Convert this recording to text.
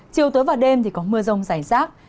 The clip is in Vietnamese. chiều tối và đêm có mưa rông giải rác